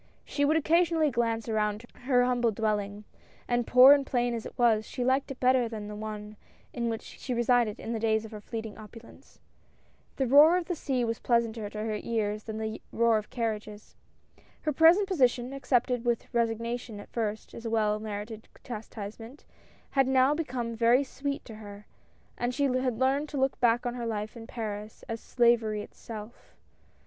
She would occasion ally glance around her humble dwelling, and poor and plain as it was, she liked it better than the one in which she resided in the days of her fleeting opulence. The roar of the sea was pleasanter to her ears than AT LAST. 201 the roar of carriages. Her present position, accepted with resignation at first as a well merited chastisement, had now become very sweet to her, and she had learned to look back on her life in Paris as slavery itself.